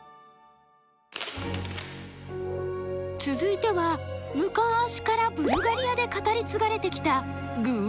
続いてはむかしからブルガリアで語り継がれてきたグぅ！